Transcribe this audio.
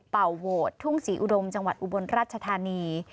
เป่าโหวตทุ่งศรีอุดมจังหวัดอุบลราชธานี